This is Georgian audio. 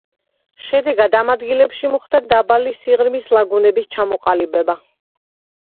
შედეგად ამ ადგილებში მოხდა დაბალი სიღრმის ლაგუნების ჩამოყალიბება.